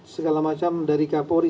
segala macam dari kapolri